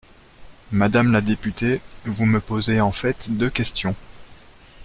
Madame la députée, vous me posez en fait deux questions.